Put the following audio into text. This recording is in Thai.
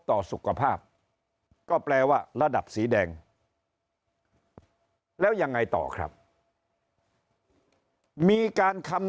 ต่อสุขภาพก็แปลว่าระดับสีแดงแล้วยังไงต่อครับมีการคำ